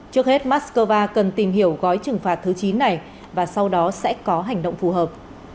trước hết moscow cần tìm hiểu gói trừng phạt thứ chín này và sau đó sẽ có hành động phù hợp